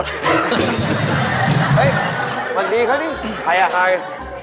นี่ไปพาไม้เหมือนไหนมาโชว์